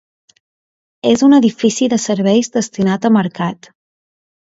És un edifici de serveis destinat a mercat.